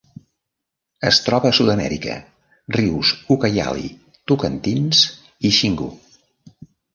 Es troba a Sud-amèrica: rius Ucayali, Tocantins i Xingu.